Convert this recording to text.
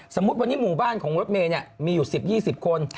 สมมุติวันนี้หมู่บ้านของรถเมย์มีอยู่๑๐๒๐คน